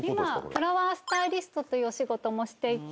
今フラワースタイリストというお仕事もしていて。